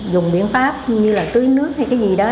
dùng biện pháp như là tưới nước hay cái gì đó